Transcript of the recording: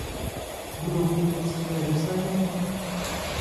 Budou tyto cíle dosaženy?